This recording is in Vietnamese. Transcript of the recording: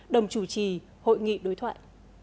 đồng chủ trì hội nghị đối thoại